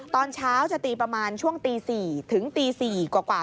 ตอนเช้าจะตีประมาณช่วงตี๔ถึงตี๔กว่า